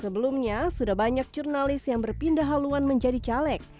sebelumnya sudah banyak jurnalis yang berpindah haluan menjadi caleg